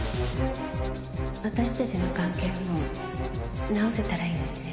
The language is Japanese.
私たちの関係も直せたらいいのにね。